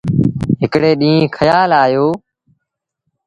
هڪڙي ڏيٚݩهݩ کيآل آيو۔